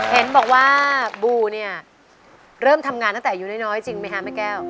เห็นบอกว่าบูเนี่ยเริ่มทำงานตั้งแต่อายุน้อยจริงไหมคะแม่แก้ว